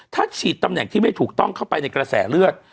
ถ้าฉีดตำแหน่งที่ไม่ถูกต้องเข้าไปในกระแสเลือด